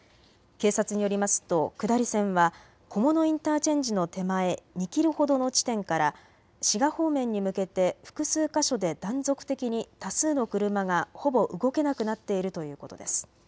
警察によりますと、下り線は菰野インターチェンジの手前２キロほどの地点から滋賀方面に向けて複数箇所で断続的に多数の車がほぼ動けなくなっているということです。